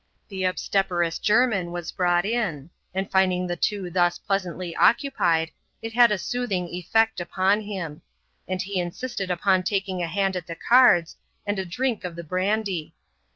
Tl^ dl> streperous Jermin was brought in ; and finding liie two thus pleasantly occupied, it had a soothing effect upon him ; and be insisted upon taking a hand at the cards, and a drink of Ifao brandy.